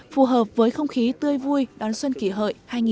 phù hợp với không khí tươi vui đón xuân kỷ hợi hai nghìn một mươi chín